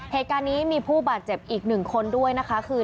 เหตุการณ์นี้มีผู้บาดเจ็บอีกหนึ่งคนด้วยนะคะคือ